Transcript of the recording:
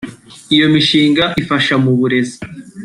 Iyo mishinga ifasha mu burezi